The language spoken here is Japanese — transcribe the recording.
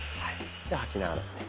で吐きながらですね。